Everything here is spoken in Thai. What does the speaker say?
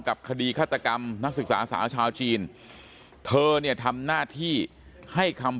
คดีฆาตกรรมนักศึกษาสาวชาวจีนเธอเนี่ยทำหน้าที่ให้คำ